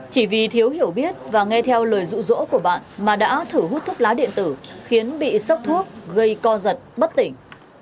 chỉ vì thiếu hiểu biết và nghe theo lời rụ rỗ của bạn mà đã thử hút thuốc lá điện tử khiến bị sốc thuốc gây co giật bất tỉnh